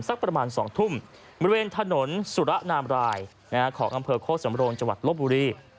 สักประมาณ๒ทุ่มบริเวณถนนสุระนามรายของอำเภอโคสำโรงจังหวัดลบบุรี